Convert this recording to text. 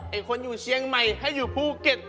ไอ้คนอยู่เชียงใหม่ให้อยู่ภูเก็ต